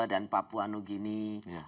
dan papua new guinea